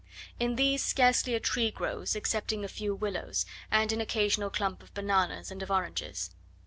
In these scarcely a tree grows excepting a few willows, and an occasional clump of bananas and of oranges.